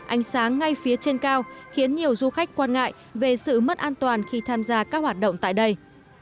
ánh sáng ngay phía trên cao khiến nhiều du khách quan ngại về sự mất an toàn khi tham gia các hoạt động tại đây